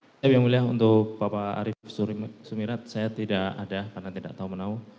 ya yang mulia untuk bapak arief sumirat saya tidak ada karena tidak tahu menau